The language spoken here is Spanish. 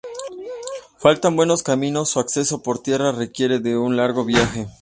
Faltan buenos caminos, su acceso por tierra requiere de un largo viaje.